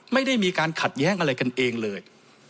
ไม่ได้มีการขัดแย้งอะไรกันเองเลย